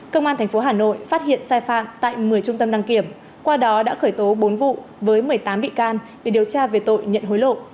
công an tp hà nội phát hiện sai phạm tại một mươi trung tâm đăng kiểm qua đó đã khởi tố bốn vụ với một mươi tám bị can để điều tra về tội nhận hối lộ